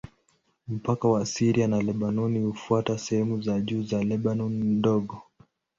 Mpaka wa Syria na Lebanoni hufuata sehemu za juu za Lebanoni Ndogo.